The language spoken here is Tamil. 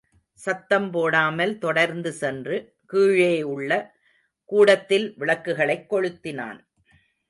சத்தம் போடாமல் தொடர்ந்து சென்று கீழேயுள்ள கூடத்தில் விளக்குகளைக் கொளுத்தினான்.